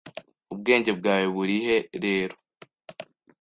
Ubwenge bwawe burihe rero?